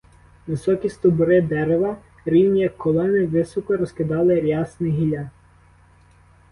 Високі стовбури дерева, рівні, як колони, високо розкидали рясне гілля.